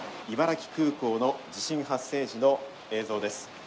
茨城空港の地震発生時の映像です。